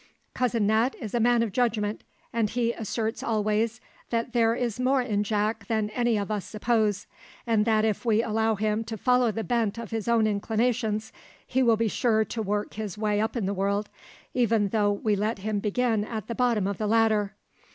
Cousin Nat is a man of judgment, and he asserts always that there is more in Jack than any of us suppose; and that if we allow him to follow the bent of his own inclinations, he will be sure to work his way up in the world, even though we let him begin at the bottom of the ladder.